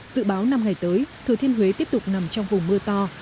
dự báo năm ngày tới thừa thiên huế tiếp tục nằm trong vùng mưa to